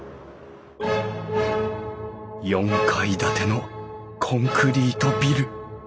４階建てのコンクリートビル！